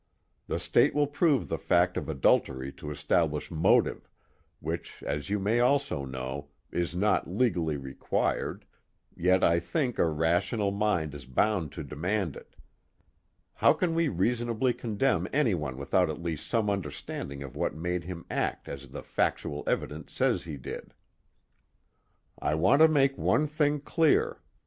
The State will prove the fact of adultery to establish motive which, as you may also know, is not legally required, yet I think a rational mind is bound to demand it. How can we reasonably condemn anyone without at least some understanding of what made him act as the factual evidence says he did? "I want to make one thing clear.